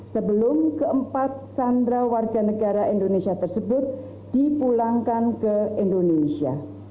sebelum keempat sandra warga negara indonesia tersebut dipulangkan ke indonesia